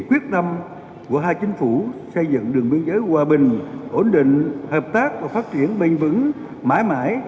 tiếp tục của hai chính phủ xây dựng đường biên giới hòa bình ổn định hợp tác và phát triển bình vững mãi mãi